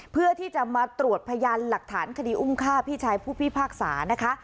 เพื่อที่จะมาตรวจพยานหลักฐานคดีอุ้มฆ่าพี่ชายผู้พิพากษานะคะ